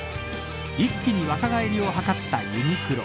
一気に若返りを図ったユニクロ。